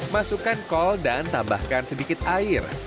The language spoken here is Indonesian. masukkan kol dan tambahkan sedikit air